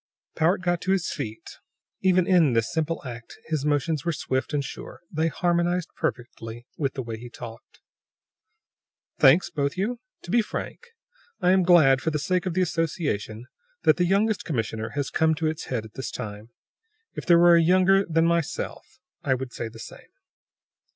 Powart got to his feet. Even in this simple act his motions were swift and sure; they harmonized perfectly with the way he talked. "Thanks, both you. To be frank, I am glad, for the sake of the association, that the youngest commissioner has come to its head at this time. If there were a younger than myself, I would say the same."